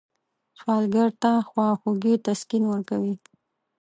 سوالګر ته خواخوږي تسکین ورکوي